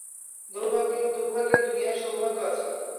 দূর্ভাগ্যের দুনিয়ায় সৌভাগ্য আছে।